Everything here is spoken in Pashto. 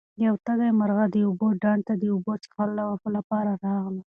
یوه تږې مرغۍ د اوبو ډنډ ته د اوبو څښلو لپاره راغله.